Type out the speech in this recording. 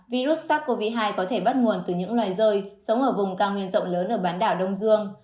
virus sars cov hai có thể bắt nguồn từ những loài rơi sống ở vùng cao nguyên rộng lớn ở bán đảo đông dương